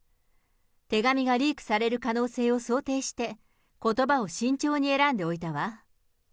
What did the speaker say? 手紙がリークされる可能性を想定して、ことばを慎重に選んでおいたわ。